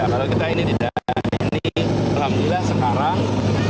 kalau kita ini tidak ini alhamdulillah sekarang